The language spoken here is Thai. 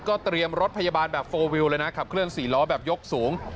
เตรียมรถพยาบาลแบบโฟลวิวเลยนะขับเคลื่อ๔ล้อแบบยกสูง